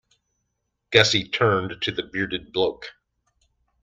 Gussie turned to the bearded bloke.